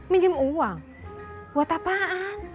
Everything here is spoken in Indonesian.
minjem uang buat apaan